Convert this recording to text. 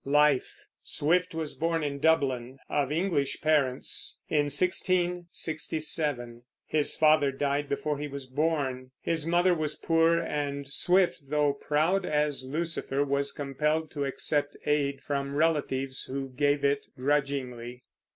LIFE. Swift was born in Dublin, of English parents, in 1667. His father died before he was born; his mother was poor, and Swift, though proud as Lucifer, was compelled to accept aid from relatives, who gave it grudgingly.